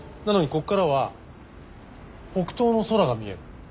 なのにここからは北東の空が見える。